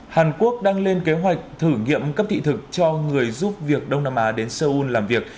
hàn quốc đang lên kế hoạch thử nghiệm cấp thị thực cho người giúp việc đông nam á đến seoul làm việc